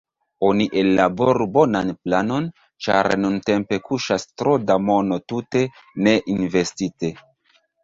Oni ellaboru bonan planon, ĉar nuntempe kuŝas tro da mono tute ne investite.